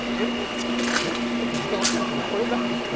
ちょっと時間おしてるんですけどこれは何ですか。